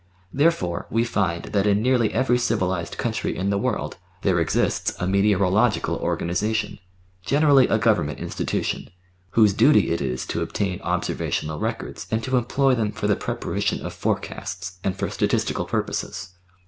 Therefore we find that in nearly every civilised country in the world there exists a meteorological organisation, generally a government institution, whose duty it is to obtain observational records and to employ them for the preparation of forecasts and for statistical purposes.